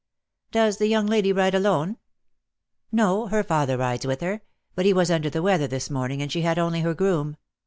"Does the young lady ride alone?" "No; her father rides with her, but he was under the weather this morning, and she had only her groom.